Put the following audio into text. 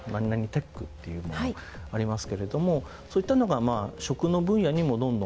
テックっていうものがありますけれどもそういったのが食の分野にもどんどんきている。